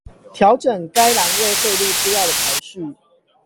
調整該欄位匯入資料的排序